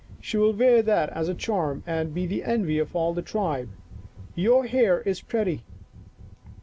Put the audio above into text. " She will wear that as a charm and be the envy of all the tribe. Your hair is pretty.